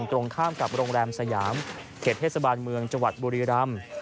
ตรงข้ามกับโรงแรมสยามเขตเทศบาลเมืองจังหวัดบุรีรำ